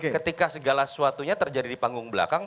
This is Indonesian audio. ketika segala sesuatunya terjadi di panggung belakang